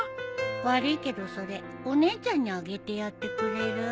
悪いけどそれお姉ちゃんにあげてやってくれる？